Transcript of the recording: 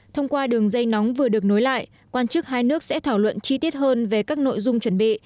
thông qua đường dây nóng vừa được nối lại quan chức hai nước sẽ thảo luận chi tiết hơn về các nội dung chuẩn bị